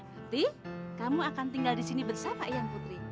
nanti kamu akan tinggal di sini bersama ian putri